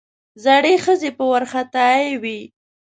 زړې ښځې په وارخطايي وې.